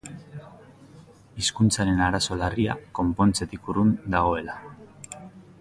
Hizkuntzaren arazo larria konpontzetik urrun dagoela.